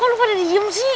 kok lu pada dihium sih